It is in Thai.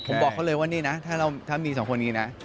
ผมบอกเขาเลยว่านี่นะถ้ามีสองคนนี้นะ